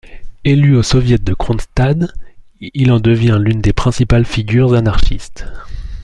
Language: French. Élu au soviet de Kronstadt, il en devient l'une des principales figures anarchistes.